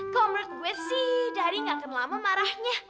komers gue sih dari gak terlalu lama marahnya